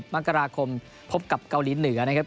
มกราคมพบกับเกาหลีเหนือนะครับ